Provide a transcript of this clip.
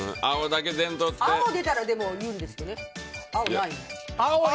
青出たら有利ですよね。